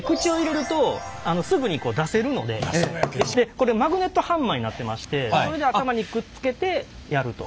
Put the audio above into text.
これマグネットハンマーになってましてこれで頭にくっつけてやると。